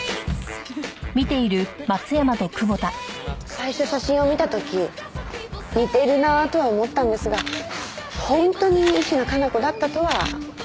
最初写真を見た時似てるなとは思ったんですが本当に石野香奈子だったとは驚きです。